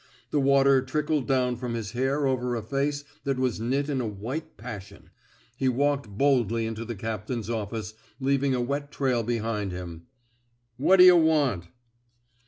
The water trickled down from his hair over a face that was knit in a white passion. He walked boldly into the captain's office, leav ing a wet trail behind him. What d'yuh want!